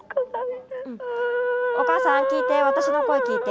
おかあさん聞いて私の声聞いて。